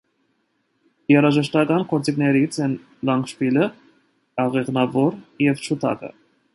Երաժշտական գործիքներից են լանգշպիլը (աղեղնավոր) և ջութակը։